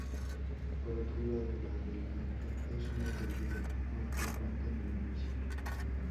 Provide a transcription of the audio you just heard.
Por otro lado Velilla es un apellido muy frecuente en el municipio.